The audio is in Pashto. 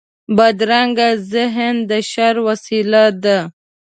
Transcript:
بدرنګه ذهن د شر وسيله ده